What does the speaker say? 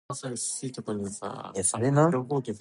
At about that time the new name was adopted.